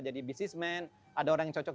jadi bisnismen ada orang yang cocok